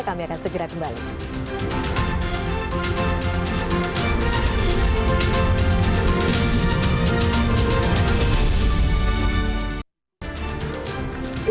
kami akan segera kembali